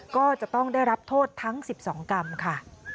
ก็จะต้องได้รับโทษทั้ง๑๒กรรมค่ะ